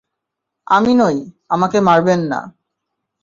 আমি নই, আমাকে মারবেন না।